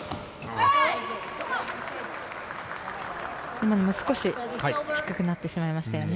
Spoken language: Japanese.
今のも少し低くなってしまいましたね。